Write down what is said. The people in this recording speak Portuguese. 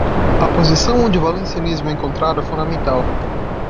A posição onde o valencianismo é encontrado é fundamental.